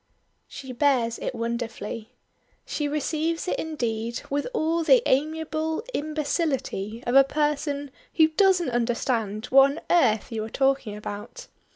She bears it wonderfully. She receives it indeed with all the amiable imbecility of a person who doesn't understand what on earth you are talking about.